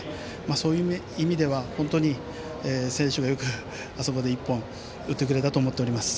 そういう意味では選手がよくあそこで１本、打ってくれたと思っております。